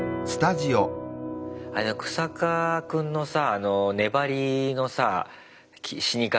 あのクサカ君のさ粘りのさ死に方。